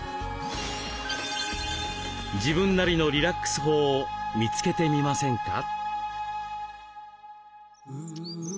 自分なりのリラックス法を見つけてみませんか？